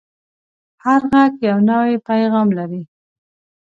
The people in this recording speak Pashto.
هر غږ یو نوی پیغام لري